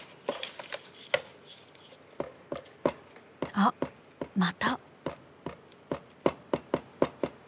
あっまた。